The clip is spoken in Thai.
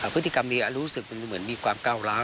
พฤติกรรมเมียรู้สึกเหมือนมีความก้าวร้าว